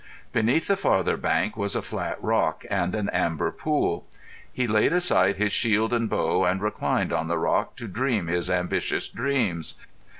Beneath the farther bank was a flat rock and an amber pool. He laid aside his shield and bow, and reclined on the rock to dream his ambitious dreams.